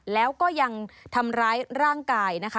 แล้วก็ยังทำร้ายร่างกายนะคะ